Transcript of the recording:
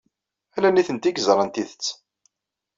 Ala nitenti ay yeẓran tidet.